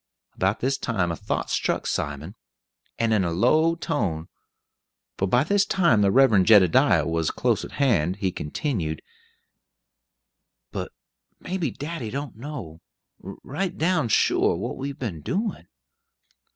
About this time a thought struck Simon, and in a low tone for by this time the Reverend Jedediah was close at hand he continued, "But may be daddy don't know, right down sure, what we've been doin'.